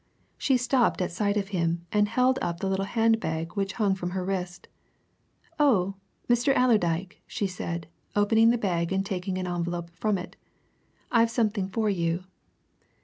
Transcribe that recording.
She stopped at sight of him and held up the little hand bag which hung from her wrist. "Oh, Mr. Allerdyke!" she said, opening the bag and taking an envelope from it. "I've something for you.